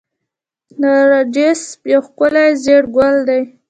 نرجس یو ښکلی ژیړ ګل دی